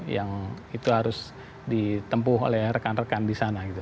yang itu harus ditempuh oleh rekan rekan di sana gitu